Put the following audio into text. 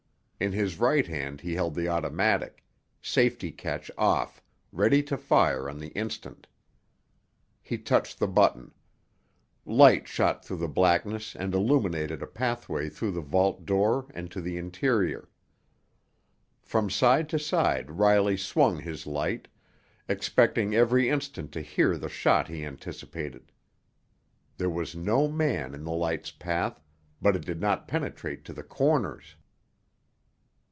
In his right hand he held the automatic, safety catch off, ready to fire on the instant. He touched the button. Light shot through the blackness and illuminated a pathway through the vault door and to the interior. From side to side Riley swung his light, expecting every instant to hear the shot he anticipated. There was no man in the light's path, but it did not penetrate to the corners.